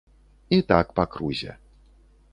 І так па крузе.